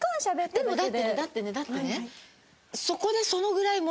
でもだってねだってねだってね。